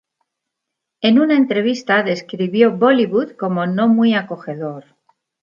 En una entrevista, describió Bollywood como "no muy acogedor".